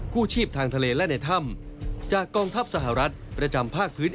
ผู้ชีพทางทะเลและในถ้ำจากกองทัพสหรัฐประจำภาคพื้น